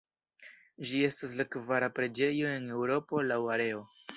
Ĝi estas la kvara preĝejo en Eŭropo laŭ areo.